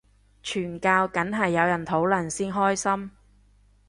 傳教梗係有人討論先開心